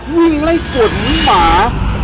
วิ่งไล่กดหมา